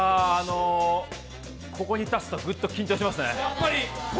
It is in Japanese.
ここに立つとグッと緊張しますね。